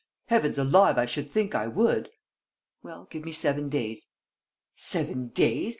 Heavens alive, I should think I would!" "Well, give me seven days." "Seven days!